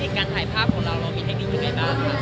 การถ่ายภาพของเราเรามีเทคนิคยังไงบ้างคะ